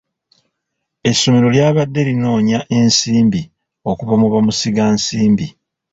Essomero lyabadde linoonya ensimbi okuva mu bamusiga nsimbi.